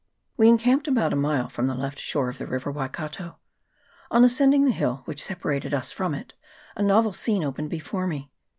We encamped about a mile from the left shore of the river Waikato. On as cending the hill which separated us from it, a novel scene opened before me.